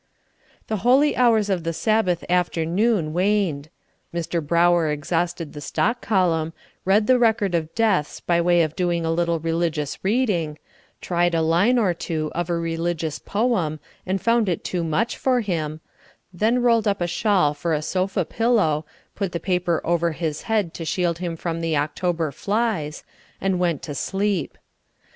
The holy hours of the Sabbath afternoon waned. Mr. Brower exhausted the stock column, read the record of deaths by way of doing a little religious reading, tried a line or two of a religious poem and found it too much for him, then rolled up a shawl for a sofa pillow, put the paper over his head to shield him from the October flies, and went to sleep.